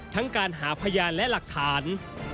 ทั้งการหาพยานและหลักฐาน